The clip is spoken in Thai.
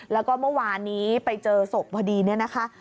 แล้วก็เมื่อวานนี้ไปเจอศพพอดีเนี่ยนะคะ